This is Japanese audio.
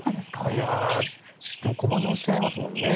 いやでも駒損しちゃいますもんね。